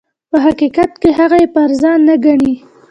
په حقیقت کې هغه یې پر ځان نه ګڼي.